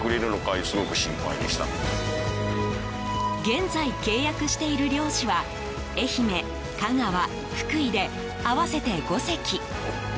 現在、契約している漁師は愛媛、香川、福井で合わせて５隻。